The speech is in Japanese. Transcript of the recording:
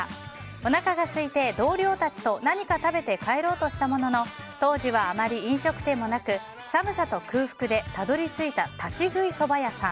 おなかがすいて同僚たちと何か食べて帰ろうとしたものの当時はあまり飲食店もなく寒さと空腹でたどりついた立ち食いそば屋さん。